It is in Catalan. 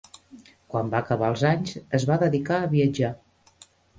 Quan va acabar els anys es va dedicar a viatjar.